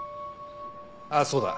ああそうだ。